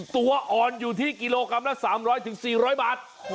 ตัวอ่อนอยู่ที่กิโลกรัมละ๓๐๐๔๐๐บาท